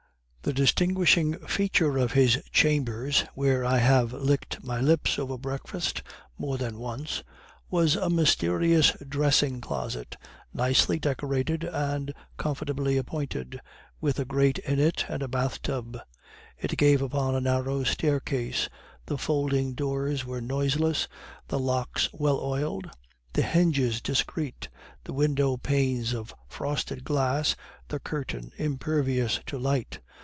"The distinguishing feature of his chambers, where I have licked my lips over breakfast more than once, was a mysterious dressing closet, nicely decorated, and comfortably appointed, with a grate in it and a bath tub. It gave upon a narrow staircase, the folding doors were noiseless, the locks well oiled, the hinges discreet, the window panes of frosted glass, the curtain impervious to light.